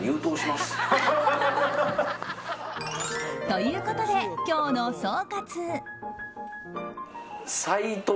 ということで今日の総括。